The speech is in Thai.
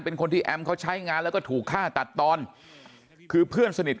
เป็นคนที่แอมเขาใช้งานแล้วก็ถูกฆ่าตัดตอนคือเพื่อนสนิท